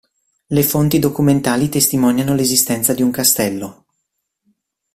Le fonti documentali testimoniano l'esistenza di un castello.